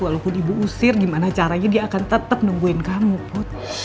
walaupun ibu usir gimana caranya dia akan tetap nungguin kamu pot